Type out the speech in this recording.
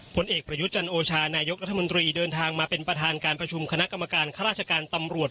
ผลเอกประยุทธ์จันโอชานายกรัฐมนตรีเดินทางมาเป็นประธานการประชุมคณะกรรมการข้าราชการตำรวจ